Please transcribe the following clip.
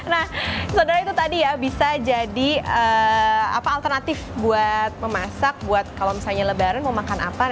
nah saudara itu tadi ya bisa jadi alternatif buat memasak buat kalau misalnya lebaran mau makan apa